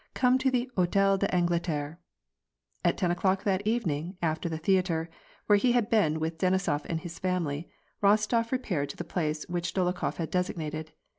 Come to the H6tel d'Angleterre." At ten o'clock that evening, after the theatre, where he had been with Denisof and his family, Rostof repaired to the place which Dolokhof had designated.